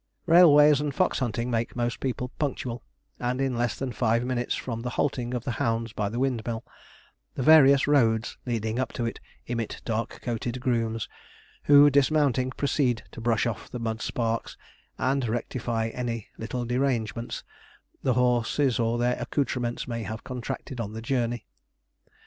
Railways and fox hunting make most people punctual, and in less than five minutes from the halting of the hounds by the Windmill, the various roads leading up to it emit dark coated grooms, who, dismounting, proceed to brush off the mud sparks, and rectify any little derangement the horses or their accoutrements may have contracted on the journey.